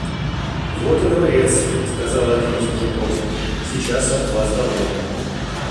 «Вот и дворец, – сказал один из мужиков, – сейчас об вас доложим».